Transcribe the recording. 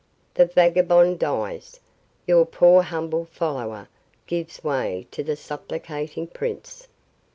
The vagabond dies; your poor humble follower gives way to the supplicating prince.